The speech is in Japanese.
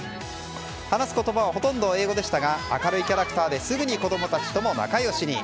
話す言葉はほとんど英語でしたが明るいキャラクターですぐに子供たちとも仲良しに。